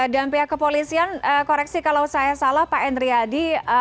dan pihak kepolisian koreksi kalau saya salah pak endriadi